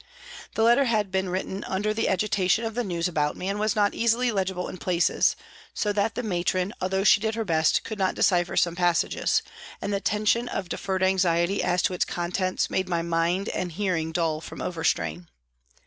The letter had been written under the agitation of the news about me and was not easily legible in places, so that the matron, although she did her best, could not decipher some passages, and the tension of deferred anxiety as to its contents made my mind and hearing dull from overstrain.